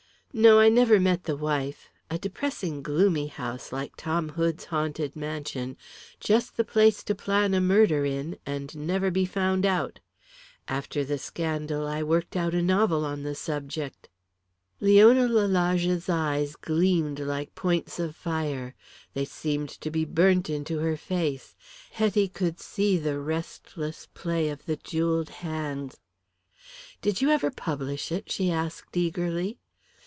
No, I never met the wife. A depressing, gloomy house, like Tom Hood's haunted mansion. Just the place to plan a murder in, and never be found out. After the scandal I worked out a novel on the subject." Leona Lalage's eyes gleamed like points of fire. They seemed to be burnt into her face. Hetty could see the restless play of the jewelled hands. "Did you ever publish it?" she asked, eagerly.